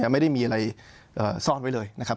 ไม่ได้มีอะไรซ่อนไว้เลยนะครับ